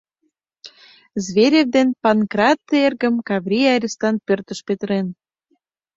Зверев ден Панкрат эргым Каврий арестант пӧртыш петырен.